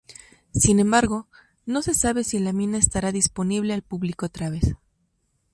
Sin embargo, no se sabe si la mina estará disponible al público otra vez.